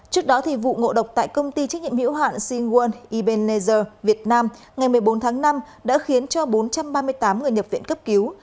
trước đó vụ ngộ độc tại công ty trách nhiệm hiệu hạn sinh quân ebenezer việt nam ngày một mươi bốn tháng năm đã khiến bốn trăm ba mươi tám người nhập viện cấp cứu